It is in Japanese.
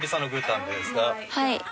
はい。